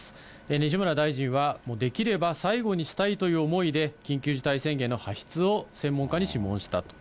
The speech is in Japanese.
西村大臣は、できれば最後にしたいという思いで、緊急事態宣言の発出を専門家に諮問したと。